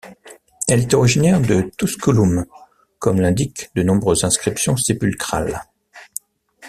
Elle est originaire de Tusculum comme l'indiquent de nombreuses inscriptions sépulcrales.